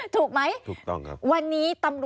ถูกไหม